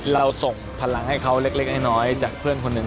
เราส่งพลังให้เขาเล็กน้อยจากเพื่อนคนหนึ่ง